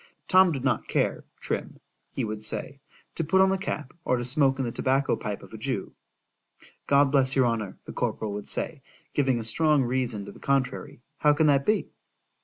——Tom did not care, Trim, he would say, to put on the cap, or to smoke in the tobacco pipe of a Jew.——God bless your honour, the corporal would say (giving a strong reason to the contrary)—how can that be?